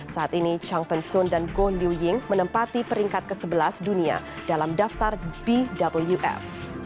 saat ini chang pen sun dan goh liu ying menempati peringkat ke sebelas dunia dalam daftar bwf